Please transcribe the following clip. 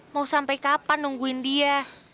mau sampai kapan nungguin dia